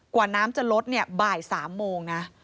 กว่าน้ำจะลดเนี่ยบ่าย๓โมงนะ